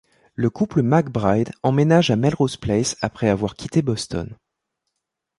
Le couple McBride emménage à Melrose Place après avoir quitté Boston.